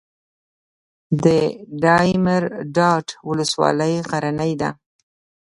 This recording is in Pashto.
د دایمیرداد ولسوالۍ غرنۍ ده